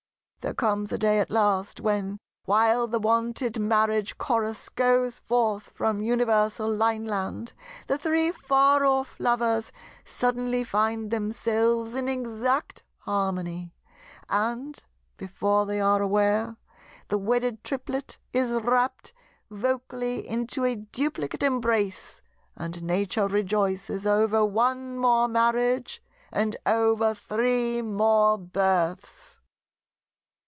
There comes a day at last when, while the wonted Marriage Chorus goes forth from universal Lineland, the three far off Lovers suddenly find themselves in exact harmony, and, before they are aware, the wedded Triplet is rapt vocally into a duplicate embrace; and Nature rejoices over one more marriage and over three more births."